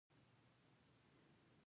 دوی اروپايي توکو ته اجازه ورکړي.